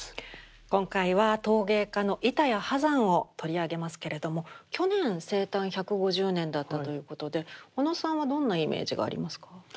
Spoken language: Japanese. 今回は陶芸家の板谷波山を取り上げますけれども去年生誕１５０年だったということで小野さんはどんなイメージがありますか？